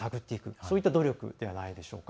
そういった努力じゃないでしょうか。